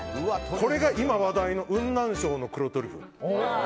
これが今、話題の雲南省の黒トリュフ。